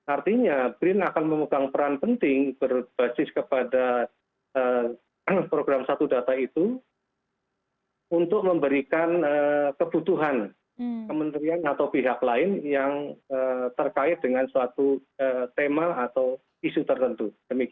artinya brin akan memegang peran penting berbasis kepada program satu data itu untuk memberikan kebutuhan kementerian atau pihak lain yang terkait dengan suatu tema atau isu tertentu